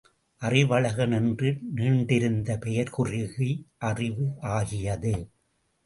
அறிவழகன் என்று நீண்டிருந்த பெயர் குறுகி அறிவு ஆகியது.